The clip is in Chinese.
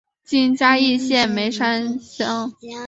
今嘉义县梅山乡。